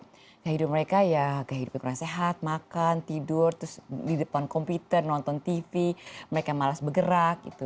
kehidupan mereka ya gaya hidup kurang sehat makan tidur terus di depan komputer nonton tv mereka malas bergerak gitu